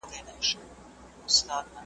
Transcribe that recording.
¬ تر يوې خرما دوې اوڅکي ښې دي.